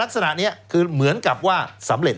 แล้วเขาก็ใช้วิธีการเหมือนกับในการ์ตูน